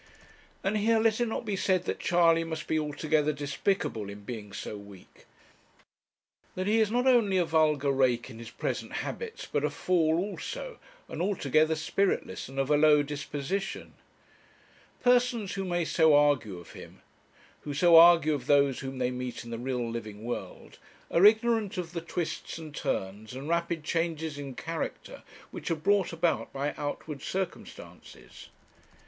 And here let it not be said that Charley must be altogether despicable in being so weak; that he is not only a vulgar rake in his present habits, but a fool also, and altogether spiritless, and of a low disposition. Persons who may so argue of him, who so argue of those whom they meet in the real living world, are ignorant of the twists and turns, and rapid changes in character which are brought about by outward circumstances.